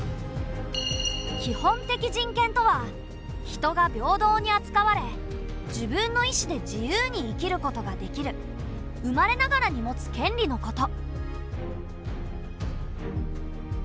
人が平等に扱われ自分の意思で自由に生きることができる生まれながらに持つ権利のこと。